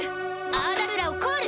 アーダルラをコール！